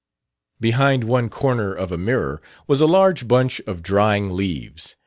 Behind one corner of a mirror was a large bunch of drying leaves.